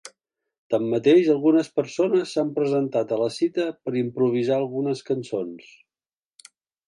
Tanmateix, algunes persones, s’han presentat a la cita per improvisar algunes cançons.